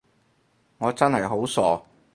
我真係好傻